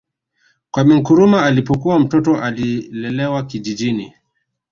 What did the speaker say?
Kwame Nkrumah alipokuwa Mtoto alilelewa kijijini